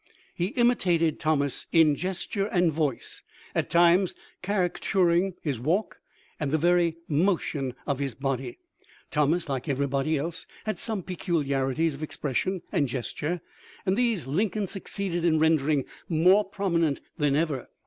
He imitated Thomas in gesture and voice, at times cari caturing his walk and the very motion of his body. Thomas, like everybody else, had some peculiarities of expression and gesture, and these Lincoln suc ceeded in rendering more prominent than ever.